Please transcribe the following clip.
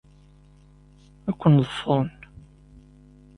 Ad ken-ḍefren.